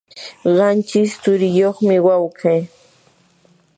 qanchis tsuriyuqmi wawqi.